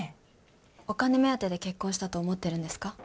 お金目当てで結婚したと思ってるんですか？